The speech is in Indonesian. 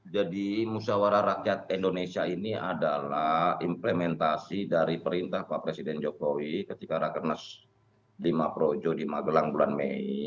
jadi musawarah rakyat indonesia ini adalah implementasi dari perintah pak presiden jokowi ketika rakenes v projo di magelang bulan mei